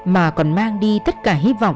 mà còn mang đi tất cả